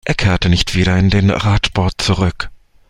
Er kehrte nicht wieder in den Radsport zurück.